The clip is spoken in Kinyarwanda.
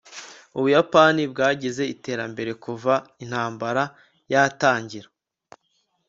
ubuyapani bwagize iterambere kuva intambara yatangira